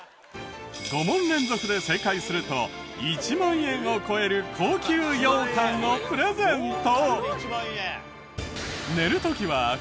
５問連続で正解すると１万円を超える高級ようかんをプレゼント。